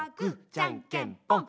じゃんけんぽん！